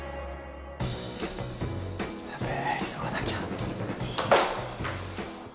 やべえ急がなきゃ。